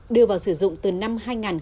đưa vào sử dụng từ năm hai nghìn một